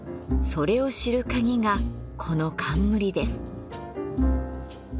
それを知る鍵がこの冠です。